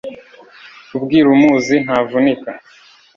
ubwira umuzi ntavunika